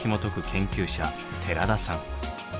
研究者寺田さん。